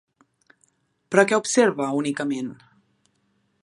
Però què observa, únicament?